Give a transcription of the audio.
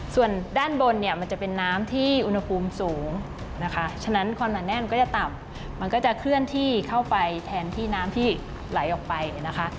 ส่วนด้านบนเนี่ยมันจะเป็นน้ำที่อุณหภูมิสูงนะคะฉะนั้นความหนาแน่นก็จะต่ำมันก็จะเคลื่อนที่เข้าไปแทนที่น้ำที่ไหลออกไปนะคะ